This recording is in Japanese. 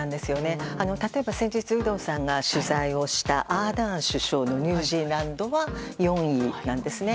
例えば、先日有働さんが取材をしたアーダーン首相のニュージーランドは４位なんですね。